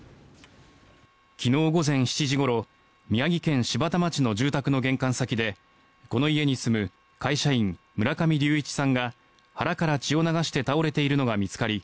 昨日午前７時ごろ宮城県柴田町の住宅の玄関先でこの家に住む会社員村上隆一さんが腹から血を流して倒れているのが見つかり